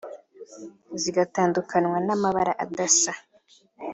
zigatandukanywa n’amabara adasa